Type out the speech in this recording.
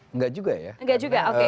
enggak juga ya